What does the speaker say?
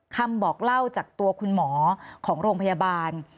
คำบอกเล่าจากตัวคุณหมอของโรงพยาบาล